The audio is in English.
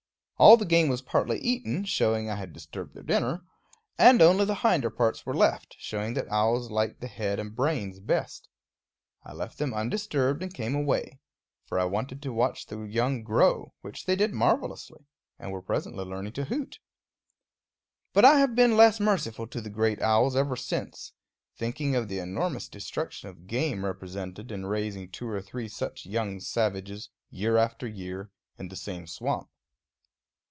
All the game was partly eaten, showing I had disturbed their dinner; and only the hinder parts were left, showing that owls like the head and brains best. I left them undisturbed and came away; for I wanted to watch the young grow which they did marvelously, and were presently learning to hoot. But I have been less merciful to the great owls ever since, thinking of the enormous destruction of game represented in raising two or three such young savages, year after year, in the same swamp.